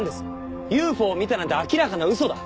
ＵＦＯを見たなんて明らかな嘘だ。